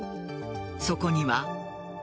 そこには。